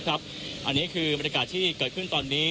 อันนี้คือบรรยากาศที่เกิดขึ้นตอนนี้